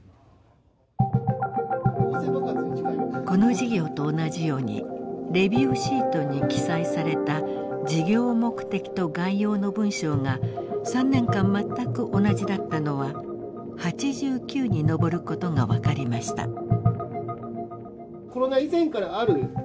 この事業と同じようにレビューシートに記載された事業目的と概要の文章が３年間全く同じだったのは８９に上ることが分かりました。